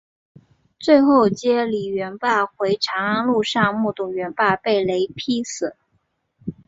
最后接李元霸回长安路上目睹元霸被雷劈死。